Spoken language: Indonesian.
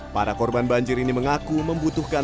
para korban banjir ini mengaku membutuhkan